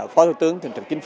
phó thủ tướng